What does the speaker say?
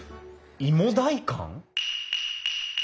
いも代官！？